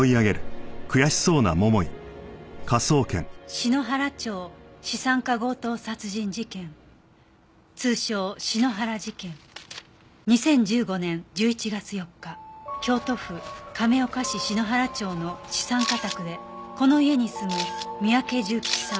「篠原町資産家強盗殺人事件」「通称篠原事件」「２０１５年１１月４日京都府亀岡市篠原町の資産家宅でこの家に住む三宅重吉さん